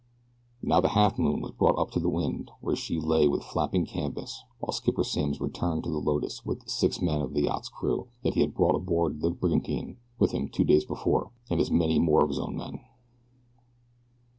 Now the Halfmoon was brought up into the wind where she lay with flapping canvas while Skipper Simms returned to the Lotus with the six men of the yacht's crew that he had brought aboard the brigantine with him two days before, and as many more of his own men.